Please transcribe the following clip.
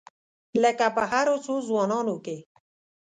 لکه په هرو څو ځوانانو کې.